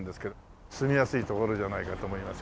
住みやすい所じゃないかと思いますけど。